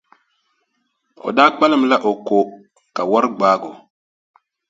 O daa kpalimla o ko, ka wari gbaagi o.